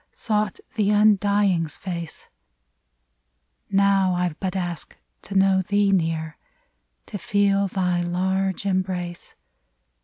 Sought the Undying's face ! 152 AT DUSK Now I but ask to know thee near, To feel thy large embrace